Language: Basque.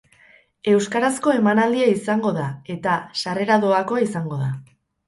Euskarazko emanaldia izango da eta sarrera dohakoa izango da.